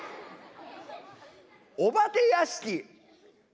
「お化け屋敷」。